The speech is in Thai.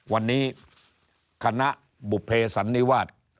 วันนี้คณะบุภเพสันนิวาส